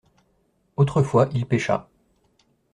Autrefois il pêcha.